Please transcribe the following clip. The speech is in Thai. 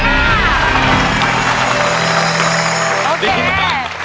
ก็คือร้องให้เหมือนเพลงเมื่อสักครู่นี้